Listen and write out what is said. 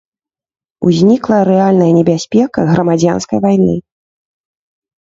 Узнікла рэальная небяспека грамадзянскай вайны.